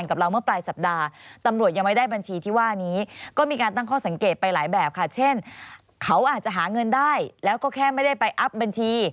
เขาอาจจะหาเงินได้แล้วก็แค่ไม่ได้ไปอัพบัญชี